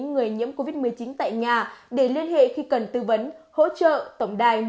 người nhiễm covid một mươi chín tại nhà để liên hệ khi cần tư vấn hỗ trợ tổng đài một nghìn hai mươi hai